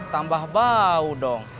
tambah bau dong